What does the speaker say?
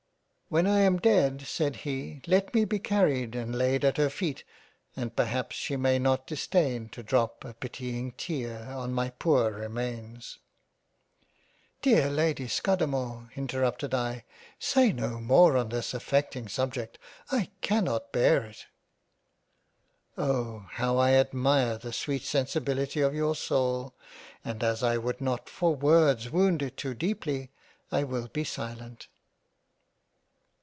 " When I am dead said he, let me be carried and lain at her feet, and perhaps she may not disdain to drop a pitying tear on my poor remains." " Dear Lady Scudamore interrupted I, say no more on this affecting subject. I cannot bear it." " Oh ! how I admire the sweet sensibility of your Soul, and as I would not for Worlds wound it too deeply, I will be silent."